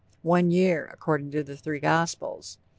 One year! according to the three gospels.